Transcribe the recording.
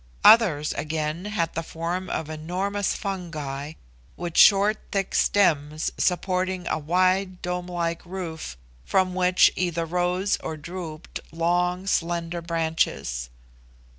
Others, again, had the form of enormous fungi, with short thick stems supporting a wide dome like roof, from which either rose or drooped long slender branches.